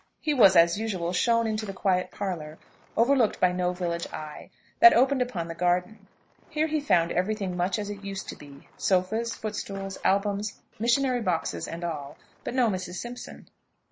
He was, as usual, shown into the quiet parlour, overlooked by no village eye, that opened upon the garden. Here he found every thing much as it used to be sofas, footstools, albums, missionary boxes and all but no Mrs. Simpson.